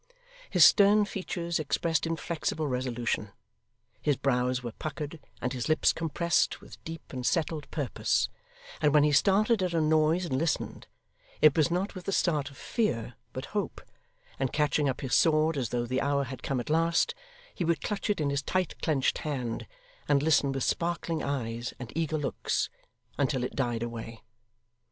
His stern features expressed inflexible resolution; his brows were puckered, and his lips compressed, with deep and settled purpose; and when he started at a noise and listened, it was not with the start of fear but hope, and catching up his sword as though the hour had come at last, he would clutch it in his tight clenched hand, and listen with sparkling eyes and eager looks, until it died away.